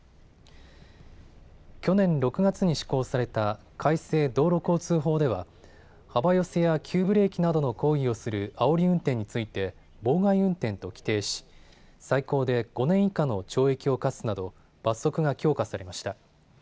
去年６月に施行された改正道路交通法では幅寄せや急ブレーキなどの行為をする、あおり運転について妨害運転と規定し、最高で５年以下の懲役を科すなど罰則が強化されました。